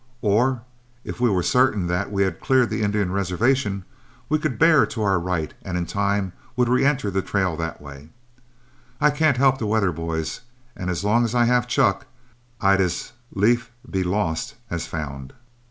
Or if we were certain that we had cleared the Indian reservation, we could bear to our right, and in time we would reënter the trail that way. I can't help the weather, boys, and as long as I have chuck, I'd as lief be lost as found."